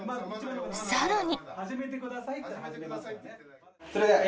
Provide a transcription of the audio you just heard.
更に。